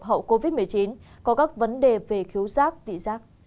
hậu covid một mươi chín có các vấn đề về khiếu rác vị rác